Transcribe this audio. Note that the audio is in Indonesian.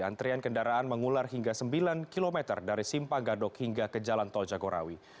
antrian kendaraan mengular hingga sembilan km dari simpang gadok hingga ke jalan tol jagorawi